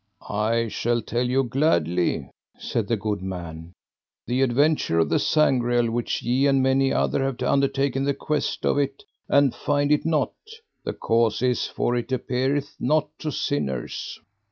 I shall tell you gladly, said the good man; the adventure of the Sangreal which ye and many other have undertaken the quest of it and find it not, the cause is for it appeareth not to sinners.